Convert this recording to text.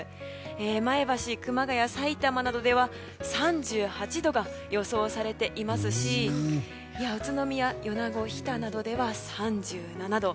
前橋、熊谷、さいたまなどでは３８度が予想されていますし宇都宮、米子、日田などでは３７度。